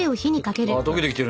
溶けてきてるね。